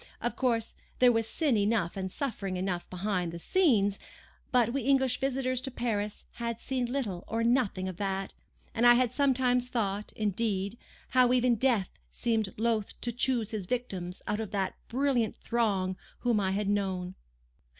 Of course, there was sin enough and suffering enough behind the scenes; but we English visitors to Paris had seen little or nothing of that,—and I had sometimes thought, indeed, how even death seemed loth to choose his victims out of that brilliant throng whom I had known.